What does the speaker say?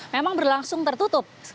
memang berlangsung tertutup